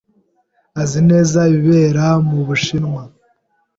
Azi neza ibibera mu Bushinwa.